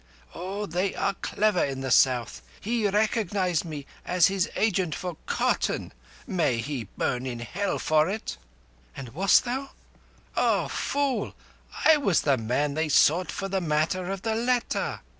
Oh, they are clever in the South! He recognized me as his agent for cotton. May he burn in Hell for it!" "And wast thou?" "O fool! I was the man they sought for the matter of the letter!